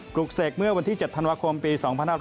ลูกเสกเมื่อวันที่๗ธันวาคมปี๒๕๖๐